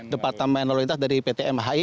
departemen lalu lintas dari pt mhi